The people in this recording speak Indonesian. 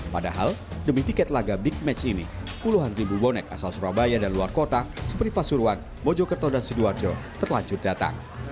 padahal demi tiket laga big match ini puluhan ribu bonek asal surabaya dan luar kota seperti pasuruan mojokerto dan sidoarjo terlanjur datang